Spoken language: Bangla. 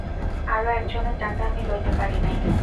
আরো একজনের টাকা আমি লইতে পারি নাই।